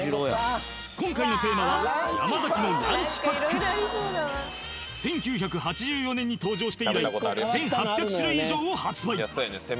今回のテーマは１９８４年に登場して以来１８００種類以上を発売！